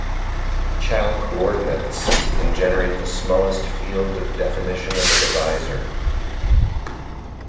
Chow coordinates can generate the smallest field of definition of a divisor.